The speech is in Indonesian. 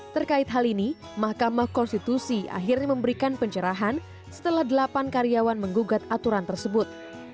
terkait hal ini mahkamah konstitusi akhirnya memberikan pencerahan setelah delapan karyawan menggugat aturan tersebut